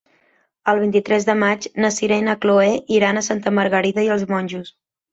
El vint-i-tres de maig na Sira i na Chloé iran a Santa Margarida i els Monjos.